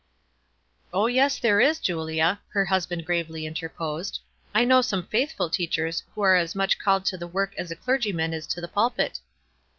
" Oh, yes, there is, Julia," her husband grave ly interposed. "I know some faithful teachers who are as much called to the work as a clergy man is to the pulpit."